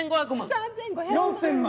３，５００万。